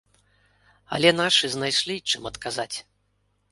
Але нашы знайшлі, чым адказаць.